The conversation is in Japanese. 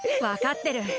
わかってる。